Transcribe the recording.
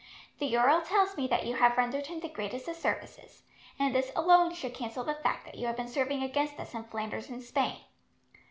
The earl tells me that you have rendered him the greatest of services, and this alone should cancel the fact that you have been serving against us in Flanders and Spain.